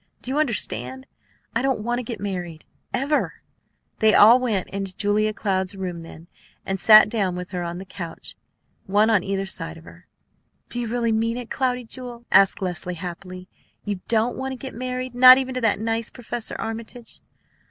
Do you understand? I don't want to get married, ever!" They all went into Julia Cloud's room then, and sat down with her on her couch, one on either side of her. "Do you really mean it, Cloudy Jewel?" asked Leslie happily. "You don't want to get married, not even to that nice Professor Armitage?"